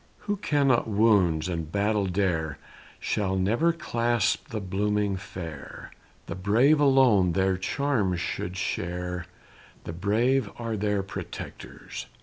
Who cannot wounds and battle dare Shall never clasp the blooming fair; The brave alone their charms should share, The brave are their protectors.